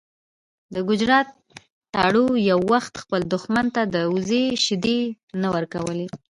د ګجرات تارړ یو وخت خپل دښمن ته د وزې شیدې نه ورکولې.